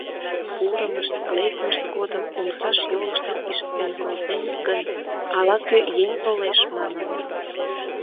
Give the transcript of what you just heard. Пурымышт, лекмышт годым омсаш йолыштым ишыктен колтеныт гын, «ала-кӧ еҥ толеш» маныныт.